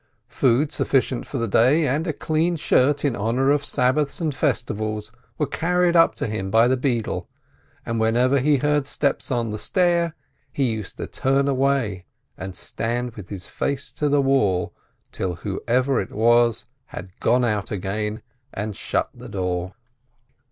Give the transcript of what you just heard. Food sufficient for the day, and a clean shirt in honor of Sabbaths and 74 PEEEZ festivals, were carried up to him by the beadle, and whenever he heard steps on the stair, he used to turn away, and stand with his face to the wall, till whoever it was had gone out again and shut the door.